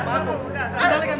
buka buka buka